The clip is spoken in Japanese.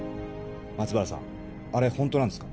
松原さんあれ本当なんですか？